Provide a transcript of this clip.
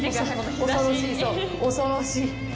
恐ろしい。